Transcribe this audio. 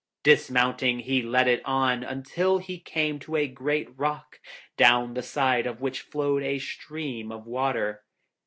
Dismounting, he led it on until he came to a great rock, down the side of which flowed a stream of water.